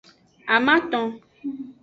Amaton.